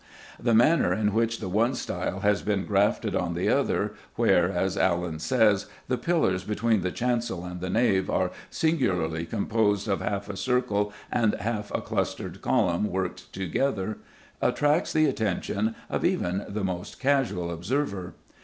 The manner in which the one style has been grafted on the other, where, as Allen says, "the pillars between the chancel and the nave are singularly composed of half a circular and half a clustered column worked together" attracts the attention of even the most casual observer.